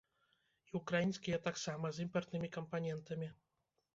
І ўкраінскія таксама, з імпартнымі кампанентамі.